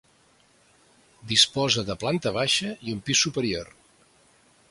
Disposa de planta baixa i un pis superior.